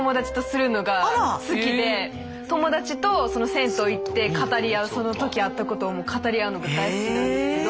友達と銭湯行って語り合うその時あったことを語り合うのが大好きなんですけど。